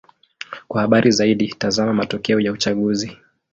Kwa habari zaidi: tazama matokeo ya uchaguzi.